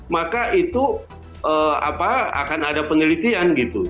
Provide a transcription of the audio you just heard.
maka itu akan ada penelitian gitu